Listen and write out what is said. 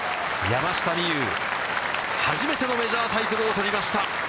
山下美夢有、初めてのメジャータイトルを取りました。